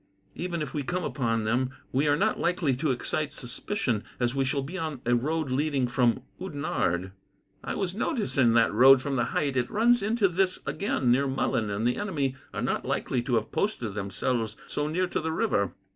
Even if we come upon them, we are not likely to excite suspicion, as we shall be on a road leading from Oudenarde. "I was noticing that road from the height. It runs into this again, near Mullen, and the enemy are not likely to have posted themselves so near to the river."